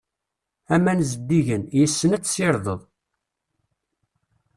Aman zeddigen, yes-sen ad tsirdeḍ.